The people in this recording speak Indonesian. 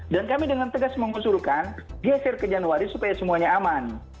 dan kami dengan tegas mengusurkan geser ke januari supaya semuanya aman